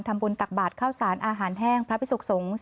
ธรรมบุญตักบาทข้าวสารอาหารแห้งพระพิศกษงศ์